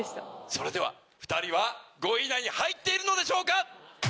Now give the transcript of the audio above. それでは２人は５位以内に入っているのでしょうか